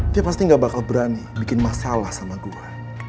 dia pasti ga bakal berani bikin masalah sama gua